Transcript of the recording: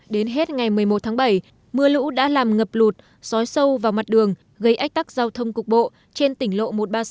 đến hết ngày một mươi một tháng bảy mưa lũ đã làm ngập lụt xói sâu vào mặt đường gây ách tắc giao thông cục bộ trên tỉnh lộ một trăm ba mươi sáu